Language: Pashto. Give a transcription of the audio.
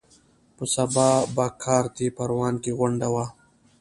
په سبا په کارته پروان کې غونډه وه.